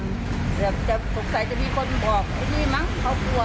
สงสัยจะมีคนบอกอันนี้มั้งเขากลัวค่ะ